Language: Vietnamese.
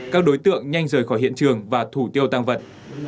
các đối tượng nhanh rời khỏi hiện trường và thủ tiêu tăng vật